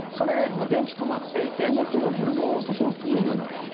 止まっているからブレーカー落とさなくてもいいんじゃないの？